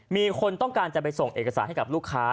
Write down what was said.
มีคนต้องการจะไปส่งเอกสารให้กับลูกค้า